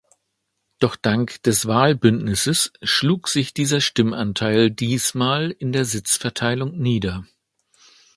Doch dank des Wahlbündnisses schlug sich dieser Stimmanteil diesmal in der Sitzverteilung nieder.